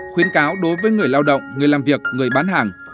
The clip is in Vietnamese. khuyến cáo đối với người lao động người làm việc người bán hàng